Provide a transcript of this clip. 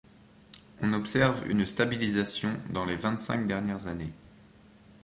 On observe une stabilisation dans les vingt-cinq dernières années.